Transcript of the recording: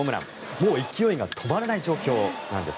もう勢いが止まらない状況です。